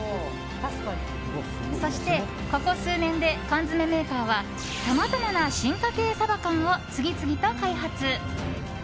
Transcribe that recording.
そしてここ数年で缶詰メーカーはさまざまな進化形サバ缶を次々と開発。